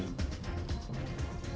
meski mengaku tidak terlalu baik